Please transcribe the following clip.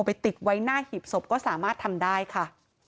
ไปติดไว้หน้าหีบศพก็สามารถทำได้ค่ะ